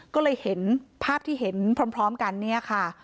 ก็เลยเห็นภาพที่เห็นพร้อมกันเนี่ยค่ะ